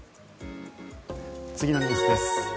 次のニュースです。